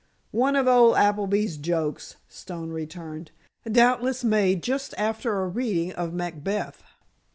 "One of old Appleby's jokes," Stone returned. "Doubtless made just after a reading of 'Macbeth.